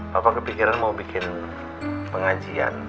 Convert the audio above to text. bapak kepikiran mau bikin pengajian